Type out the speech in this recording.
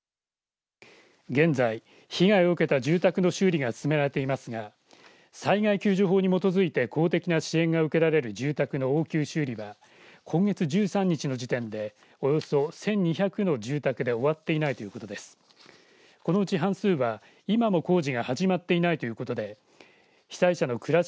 現在、被害を受けた住宅の修理が進められていますが災害救助法に基づいて公的な支援が受けられる住宅の応急修理は今月１３日の時点で、およそ１２００の住宅で終わっていないということです。